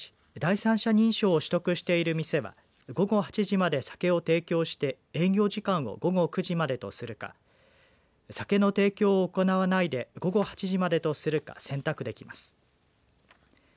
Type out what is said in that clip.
ただし第三者認証を取得している店は午後８時まで酒を提供して営業時間を午後９時までとするか酒の提供を行わないで午後８時までとするか選択できます。